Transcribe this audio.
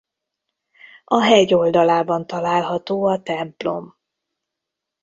A hegy oldalában található a templom.